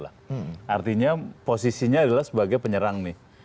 artinya posisinya adalah sebagai penyerang nih